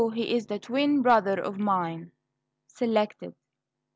he is the twin brother of mine. Selected.